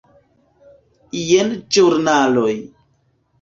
Jen ĵurnaloj.